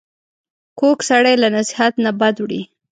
کوږ سړی له نصیحت نه بد وړي